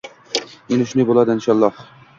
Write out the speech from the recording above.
Endi shunday bo'ladi, inshooloh.